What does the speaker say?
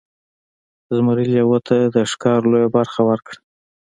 زمري لیوه ته د ښکار لویه برخه ورکړه.